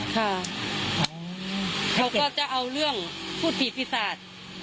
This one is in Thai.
ค่ะเขาก็จะเอาเรื่องพูดผีศาสตร์